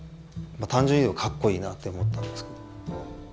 単純にいうとかっこいいなあって思ったんですけど。